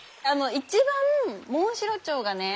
一番モンシロチョウがね